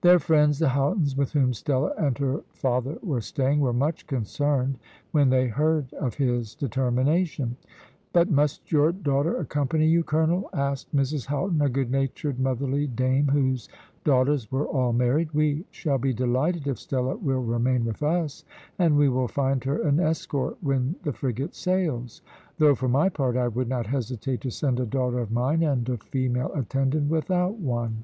Their friends, the Houghtons, with whom Stella and her father were staying, were much concerned when they heard of his determination. "But must your daughter accompany you, colonel?" asked Mrs Houghton, a good natured, motherly dame, whose daughters were all married. "We shall be delighted if Stella will remain with us, and we will find her an escort when the frigate sails; though, for my part, I would not hesitate to send a daughter of mine and a female attendant without one."